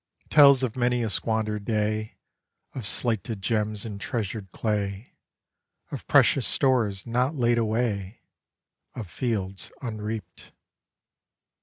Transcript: It tells of many a squandered day, Of slighted gems and treasured clay, Of precious stores not laid away, Of fields unreaped.